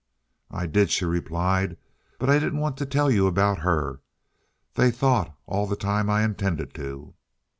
"I did," she replied, "but I didn't want to tell you about her. They thought all the time I intended to."